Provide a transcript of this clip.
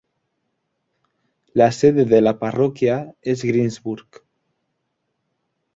La sede de la parroquia es Greensburg.